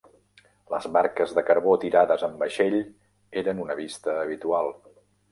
Les barques de carbó tirades amb vaixell eren una vista habitual.